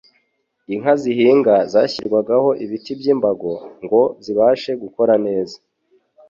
Inka zihinga zashyirwagaho ibiti by'imbago ngo zibashe gukora neza.